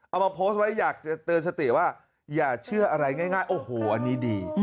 เอามาโพสต์ไว้อยากจะเตือนสติว่าอย่าเชื่ออะไรง่ายโอ้โหอันนี้ดี